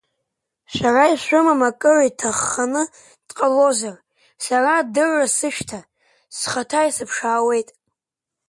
Шәара ишәымам акыр иҭахханы дҟалозар, сара адырра сышәҭа, схаҭа исыԥшаауеит…